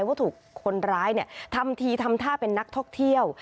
ว่าถูกคนร้ายทำทีทำท่าเป็นนักท่องเที่ยว